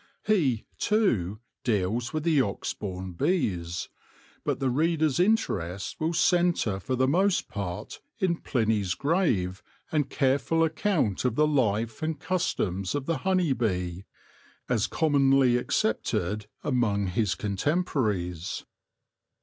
He, too, deals with the ox born bees ; but the reader's interest will centre for the most part in Pliny's grave and careful account of the life and customs of the honey bee, as commonly accepted THE ANCIENTS AND THE HONEY BEE 9 among his contemporaries.